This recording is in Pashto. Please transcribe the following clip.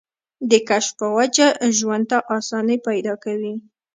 د کشف پۀ وجه ژوند ته اسانۍ پېدا کوي